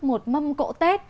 một mâm cỗ tết